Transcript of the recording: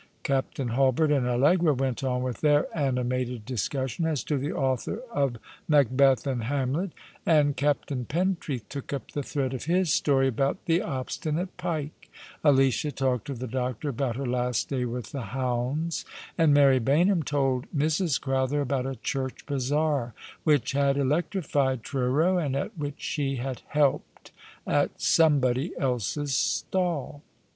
Captain Hulbert and Allegra went on with their animated discussion as to the author of " Macbeth " and " Hamlet ;" and Captain Pentrcath took up the thi ead of his story about the obstinate'' pike ; Alicia talked to the doctor about her last day with the hounds; and Mary Baynham told Mrs. Crowther about a church bazaar, which had electrified Truro, and at which she had "helped" at somebody else's stall.